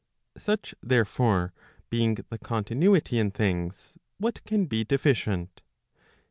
Such therefore, being the continuity in things, what can be deficient?